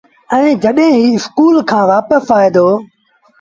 ائيٚݩ جڏهيݩ اسڪُول کآݩ وآپس آئي دو